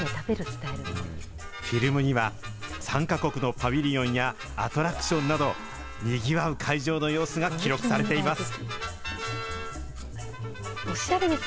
フィルムには、参加国のパビリオンやアトラクションなど、にぎわう会場の様子が記録されています。